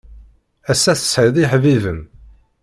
Ass-a tesɛiḍ iḥbiben.